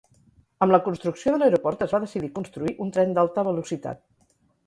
Amb la construcció de l'aeroport es va decidir construir un tren d'alta velocitat.